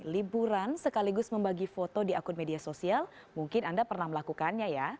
liburan sekaligus membagi foto di akun media sosial mungkin anda pernah melakukannya ya